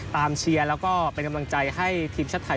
เชียร์แล้วก็เป็นกำลังใจให้ทีมชาติไทย